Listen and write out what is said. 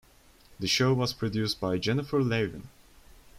The show was produced by Jennifer Lavin.